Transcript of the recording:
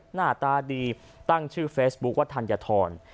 หน้าตาดีตั้งชื่อเฟซบุ๊คว่าธัญฑร